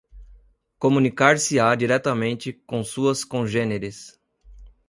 comunicar-se-á diretamente com suas congêneres